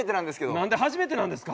なんで初めてなんですか？